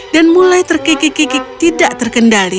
dan mulai terkikik kikik tidak terkendali